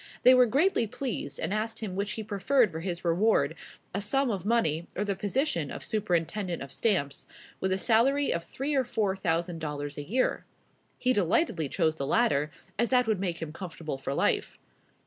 They were greatly pleased, and asked him which he preferred for his reward, a sum of money, or the position of Superintendent of Stamps, with a salary of three or four thousand dollars a year. He delightedly chose the latter, as that would make him comfortable for life.